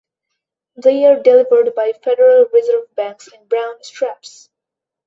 They are delivered by Federal Reserve Banks in brown straps.